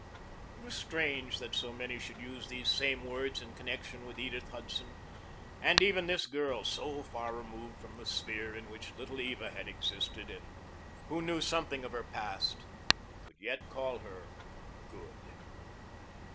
It was strange that so many should use these same words in connection with Edith Hudson, and even this girl, so far removed from the sphere in which Little Eva had existed and who knew something of her past, could yet call her "good."